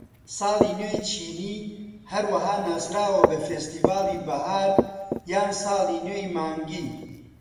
ساڵی نوێی چینی هەروەها ناسراوە بە فێستیڤاڵی بەهار یان ساڵی نوێی مانگی.